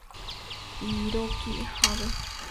Hiroki Abe